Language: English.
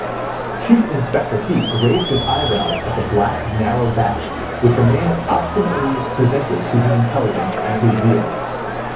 Chief Inspector Heat raised his eyebrows at the black, narrow back, which remained obstinately presented to his intelligence and his zeal.